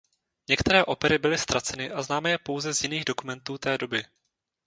Některé opery byly ztraceny a známe je pouze z jiných dokumentů té doby.